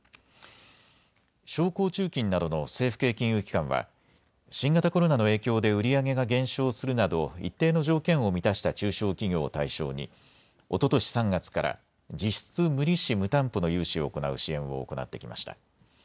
商工中金などの政府系金融機関は新型コロナの影響で売り上げが減少するなど一定の条件を満たした中小企業を対象におととし３月から実質無利子・無担保の融資を行う支援を行ってきました。